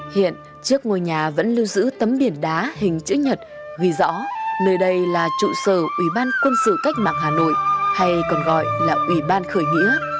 hiện trước ngôi nhà vẫn lưu giữ tấm biển đá hình chữ nhật ghi rõ nơi đây là trụ sở ủy ban quân sự cách mạng hà nội hay còn gọi là ủy ban khởi nghĩa